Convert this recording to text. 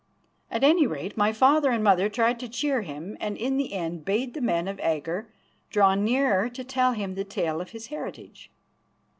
At any rate my father and mother tried to cheer him and in the end bade the men of Agger draw near to tell him the tale of his heritage.